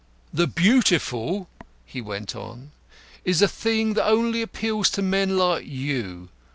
"The Beautiful," he went on, "is a thing that only appeals to men like you.